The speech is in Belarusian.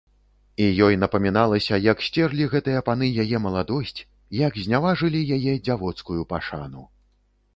І ёй напаміналася, як сцерлі гэтыя паны яе маладосць, як зняважылі яе дзявоцкую пашану.